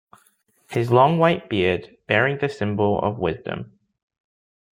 His long white beard bearing the symbol of "wisdom".